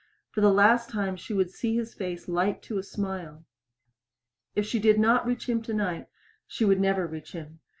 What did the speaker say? For the last time she would see his face light to a smile. If she did not reach him tonight, she would never reach him.